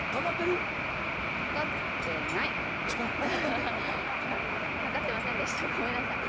かかってませんでしたごめんなさい。